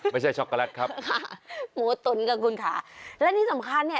ไม่ใช่ช็อกโกแลตครับโหมูตุ๋นค่ะและเรื่อยสำคัญเนี่ย